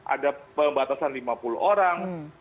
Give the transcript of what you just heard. ada pembatasan lima puluh orang